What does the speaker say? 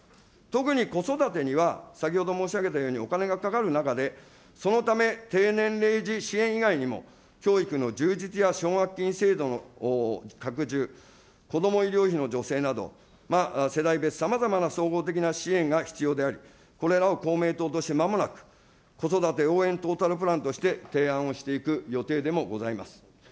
特に子育てには、先ほど申し上げたように、お金がかかる中で、そのため、低年齢児支援以外にも、教育の充実や奨学金制度の拡充、子ども医療費の助成など、世代別、さまざまな総合的な支援が必要であり、これらを公明党としてまもなく、子育て応援トータルプランとして提案をしていく予定でもございます。